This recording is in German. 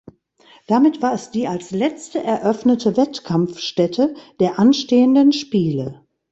Damit war es die als letzte eröffnete Wettkampfstätte der anstehenden Spiele.